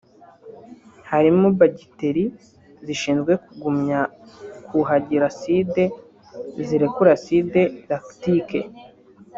harimo bagiteri zishinzwe kugumya kuhagira acide zirekura “acide lactique”